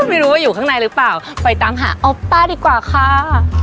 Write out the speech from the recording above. ไม่รู้ว่าอยู่ข้างในหรือเปล่าไปตามหาเอาป้าดีกว่าค่ะ